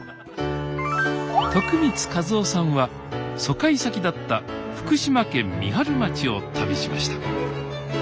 徳光和夫さんは疎開先だった福島県三春町を旅しました。